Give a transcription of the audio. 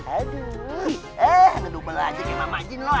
aduh ngedubel aja kayak mama jin loh